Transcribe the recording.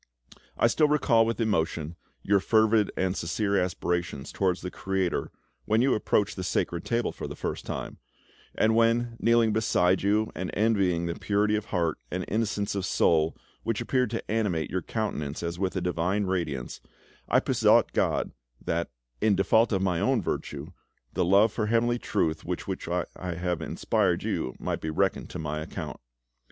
I still recall with emotion your fervid and sincere aspirations towards the Creator when you approached the Sacred Table for the first time, and when, kneeling beside you, and envying the purity of heart and innocence of soul which appeared to animate your countenance as with a divine radiance, I besought God that, in default of my own virtue, the love for heavenly Truth with which I have inspired you might be reckoned to my account.